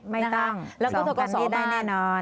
ไม่ต้องส่องกันดีได้แน่นอน